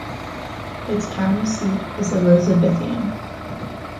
Its county seat is Elizabethton.